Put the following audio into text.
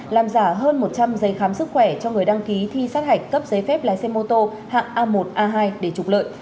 làm giả hơn một trăm linh giấy khám sức khỏe cho người đăng ký thi sát hạch cấp giấy phép lái xe mô tô hạng a một a hai để trục lợi